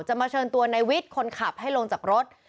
จะมาเชิญตัวนายวิทคนขับให้ลงจากรถ